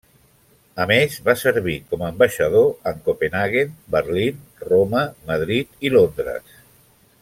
A més, va servir com ambaixador en Copenhaguen, Berlín, Roma, Madrid i Londres.